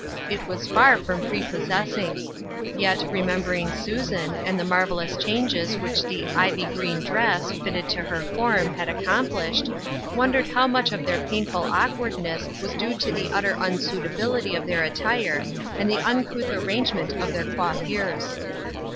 It was far from prepossessing ; yet, remembering Susan, and the marvelous changes which the " ivy green dress," fitted to her form, had accom plished, wondered how much of their painful awkwardness was due to the utter unsuitability of their attire, and the uncouth arrangement of their coiffures.